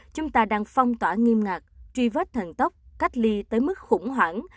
chúng ta đang phong tỏa nghiêm ngạc truy vết thần tốc cách ly tới mức khủng hoảng